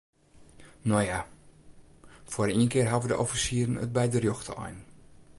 No ja, foar ien kear hawwe de offisieren it by de rjochte ein.